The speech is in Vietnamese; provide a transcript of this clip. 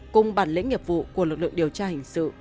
cùng bản lĩnh nghiệp vụ của lực lượng điều tra hình sự